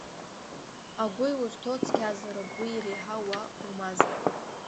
Агәы иузҭоу цқьазароуп, уи иреиҳау уа умазароуп.